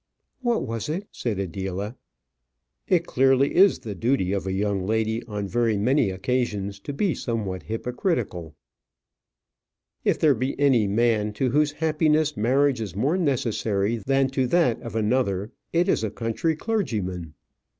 "What was it?" said Adela. It clearly is the duty of a young lady on very many occasions to be somewhat hypocritical. "If there be any man to whose happiness marriage is more necessary than to that of another, it is a country clergyman."